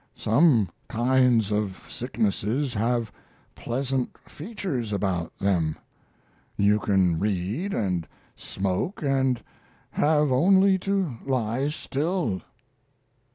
Some kinds of sicknesses have pleasant features about them. You can read and smoke and have only to lie still."